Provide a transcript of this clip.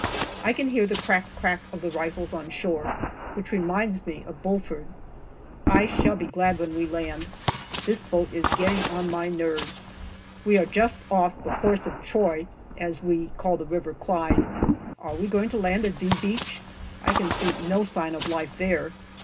I can hear the crack crack of the rifles on shore, which reminds me of Bulford. I shall be glad when we land. This boat is getting on my nerves. We are just off the " Horse of Troy," as we call the River Clyde. Are we going to land at " V " Beach ? I can see no sign of life there.